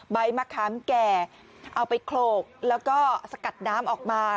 มะขามแก่เอาไปโขลกแล้วก็สกัดน้ำออกมา